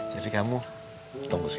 jadi kamu tunggu sini